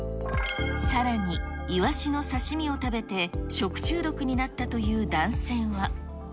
さらに、イワシの刺身を食べて食中毒になったという男性は。